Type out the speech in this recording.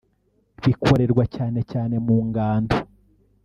bikorerwa cyane cyane mu ngando